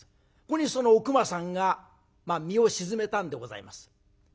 ここにそのおくまさんが身を沈めたんでございます。